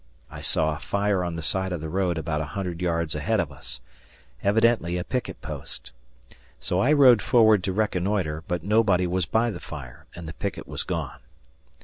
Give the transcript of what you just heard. I saw a fire on the side of the road about a hundred yards ahead of us evidently a picket post. So I rode forward to reconnoitre, but nobody was by the fire, and the picket was gone.